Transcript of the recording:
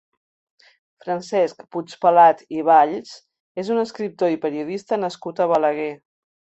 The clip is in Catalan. Francesc Puigpelat i Valls és un escriptor i periodista nascut a Balaguer.